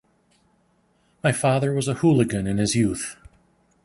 My father was a hooligan in his youth.